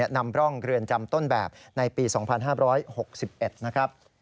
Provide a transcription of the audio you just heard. นำร่องเรือนจำต้นแบบในปี๒๕๖๑นะครับ